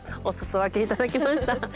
おすそ分けいただきました。